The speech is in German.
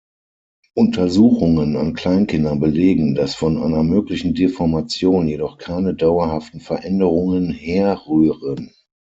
Untersuchungen an Kleinkindern belegen, dass von einer möglichen Deformation jedoch keine dauerhaften Veränderungen herrühren.